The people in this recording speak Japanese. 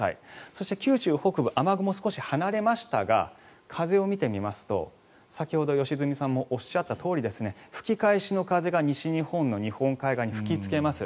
そして九州北部雨雲、少し離れましたが風を見てみますと、先ほど良純さんもおっしゃったとおり吹き返しの風が西日本の日本海側に吹きつけます。